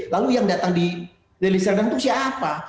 lalu yang datang di deliserdan itu siapa